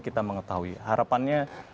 kita mengetahui harapannya